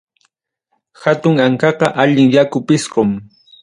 Hatun ankaqa, allin yaku pisqum.